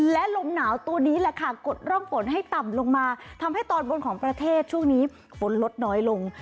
และลมหนาวตัวนี้แหละค่ะกดร่องฝนให้ต่ำลงมาทำให้ตอนบนของประเทศช่วงนี้ฝนลดน้อยลง